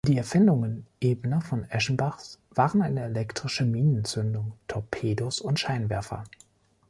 Die Erfindungen Ebner von Eschenbachs waren eine elektrische Minen-Zündung, Torpedos und Scheinwerfer.